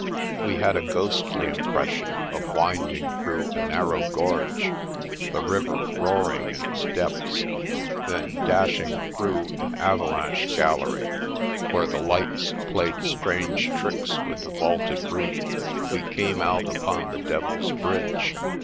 We had a ghostly impression of winding through a narrow gorge, the river roaring in its depths ; then, dashing through an avalanche gallery (where the lights played strange tricks with the vaulted roof), we came out upon the Devil's Bridge.